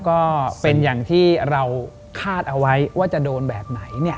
ก็เป็นอย่างที่เราคาดเอาไว้ว่าจะโดนแบบไหน